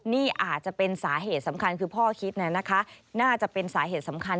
นี่อาจจะเป็นสาเหตุสำคัญคือพ่อคิดน่าจะเป็นสาเหตุสำคัญ